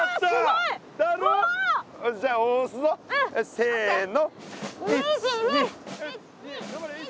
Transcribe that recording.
せの。